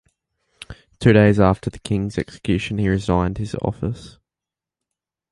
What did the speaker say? Two days after the king's execution, he resigned his office.